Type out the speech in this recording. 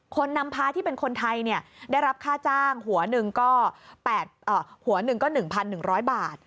คนนำพาที่เป็นคนไทยได้รับค่าจ้างหัวหนึ่งก็๑๑๐๐บาท